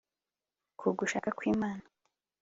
k'ugushaka kw'imana